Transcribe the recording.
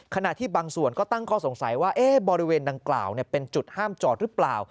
ขณะที่บางส่วนก็ตั้งข้อสงสัยว่าบริเวณดังกล่าวเป็นจุดห้ามจอดหรือเปล่า